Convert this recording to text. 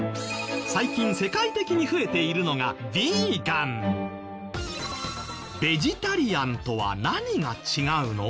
最近世界的に増えているのがベジタリアンとは何が違うの？